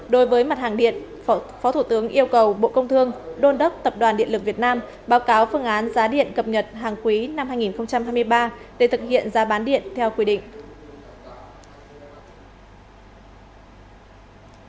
đối với mặt hàng điện phó thủ tướng yêu cầu bộ công thương đôn đốc tập đoàn điện lực việt nam báo cáo phương án giá điện cập nhật hàng quý năm hai nghìn hai mươi ba để thực hiện giá bán điện theo quy định